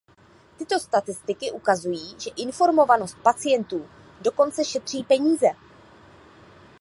Tyto statistiky ukazují, že informovanost pacientů dokonce šetří peníze.